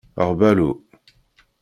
Ɣbalu